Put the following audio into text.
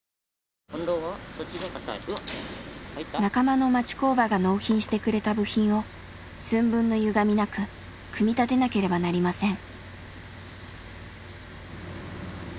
仲間の町工場が納品してくれた部品を寸分のゆがみなく組み立てなければなりません。